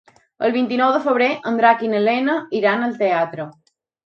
El vint-i-nou de febrer en Drac i na Lena iran al teatre.